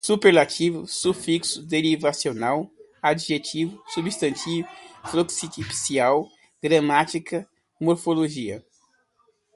superlativo, sufixo derivacional, adjetivos, substantivo, frontispício, gramática, morfologia